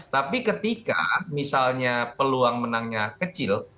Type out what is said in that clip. tapi ketika misalnya peluang menangnya kecil